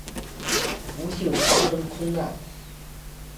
不幸发生空难。